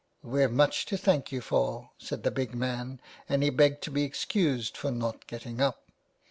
' We've much to thank you for,' said the big man, and he begged to be excused for not getting up.